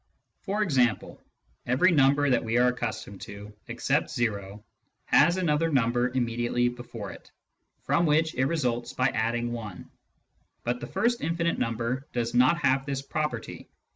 For example, every number that we are accustomed to, except o, has another number immediately before it, from which it results by adding i ; but the first infinite number does not have this property.